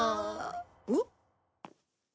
おっ？